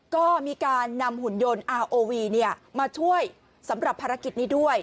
ก็มีการนำหุ่นยนต์อาร์โอวีมาช่วยสำหรับภารกิจนี้ด้วย